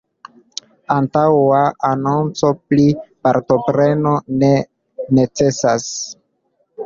Antaŭa anonco pri partopreno ne necesas.